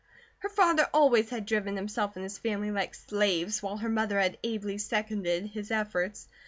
Her father always had driven himself and his family like slaves, while her mother had ably seconded his efforts.